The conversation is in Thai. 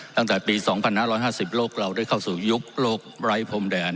ตั้งแต่ปีสองพันห้าร้อยห้าสิบโลกเราได้เข้าสู่ยุคโลกไร้พรมแดน